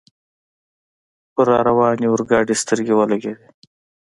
پر را روانې اورګاډي سترګې ولګېدې.